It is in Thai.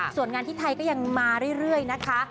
ส่วนงานที่ไทยก็ยังมาเรื่อยนะคะ